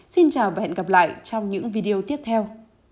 xin chào và hẹn gặp lại trong những video tiếp theo